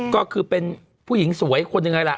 ก็คือเป็นผู้หญิงสวยคนหนึ่งเลยล่ะ